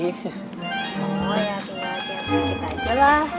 oh ya tinggal latihan sakit aja lah